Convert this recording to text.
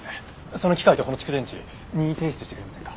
その機械とこの蓄電池任意提出してくれませんか？